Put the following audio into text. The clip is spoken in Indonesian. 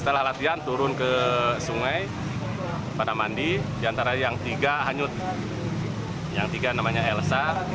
setelah latihan turun ke sungai pada mandi diantara yang tiga hanyut yang tiga namanya elsa